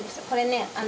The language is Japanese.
これね